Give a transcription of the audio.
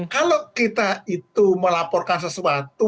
kalau kita itu melaporkan sesuatu